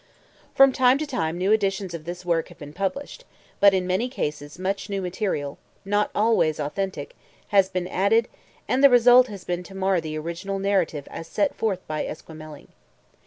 From time to time new editions of this work have been published, but in many cases much new material, not always authentic, has been added and the result has been to mar the original narrative as set forth by Esquemeling.